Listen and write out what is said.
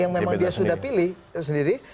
yang memang dia sudah pilih sendiri